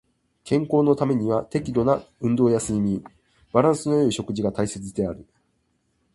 健康のためには適度な運動や睡眠、バランスの良い食事が大切である。